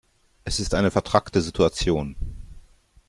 Es ist eine vetrackte Situation.